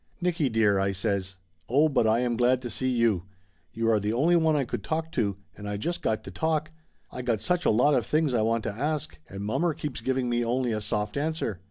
"Nicky dear!" I says. "Oh, but I am glad to see you ! You are the only one I could talk to, and I just got to talk I got such a lot of things I want to ask, and mommer keeps giving me only a soft answer.